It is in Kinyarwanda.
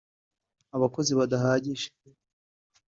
abakozi badahagije